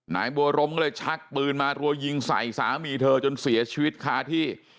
นายบัวรมก็เลยชักปืนมารัวยิงใส่สามีเธอจนเสียชีวิตคาที่